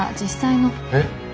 えっ。